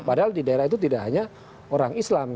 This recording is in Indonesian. padahal di daerah itu tidak hanya orang islam